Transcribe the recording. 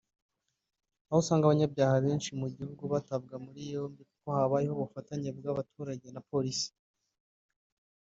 aho usanga abanyabyaha benshi mu gihugu batabwa muri yombi kuko habayeho ubufatanye bw’abaturage na Polisi